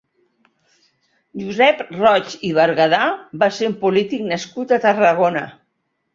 Josep Roig i Bergadà va ser un polític nascut a Tarragona.